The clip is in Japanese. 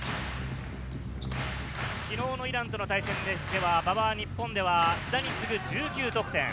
昨日のイランとの対戦では馬場は日本では須田に次ぐ１９得点。